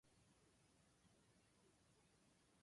僕はクマ